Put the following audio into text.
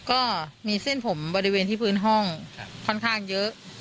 ก็มีเส้นผมบริเวณที่พื้นห้องค่อนข้างเยอะ